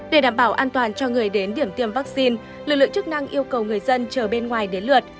để đảm bảo an toàn cho người đến điểm tiêm vaccine lực lượng chức năng yêu cầu người dân chờ bên ngoài đến lượt